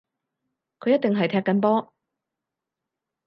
佢一定係踢緊波